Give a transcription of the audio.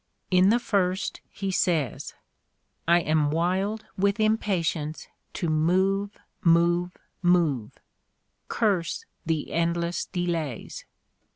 In the first he says: "I am wild with impatience to move — move — move! ... Curse the endless delays!